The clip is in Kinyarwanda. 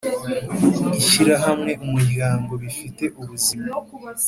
Ishyirahamwe umuryango bifite ubuzima